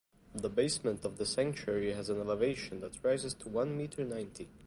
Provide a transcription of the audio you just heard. The basement of the sanctuary has an elevation that rises to one meter ninety.